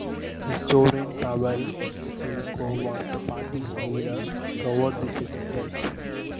Historian Pavel Miliukov was the party's leader throughout its existence.